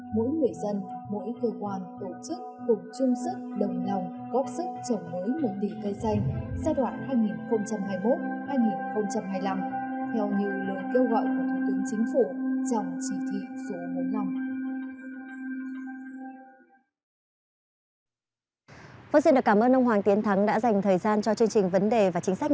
mỗi người dân mỗi cơ quan tổ chức cùng chung sức đồng lòng góp sức trồng mới một tỷ cây xanh